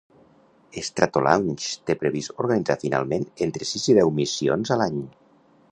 Stratolaunch té previst organitzar finalment entre sis i deu missions a l'any.